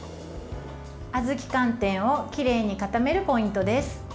あずき寒天をきれいに固めるポイントです。